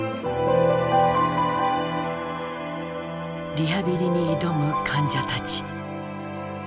リハビリに挑む患者たち。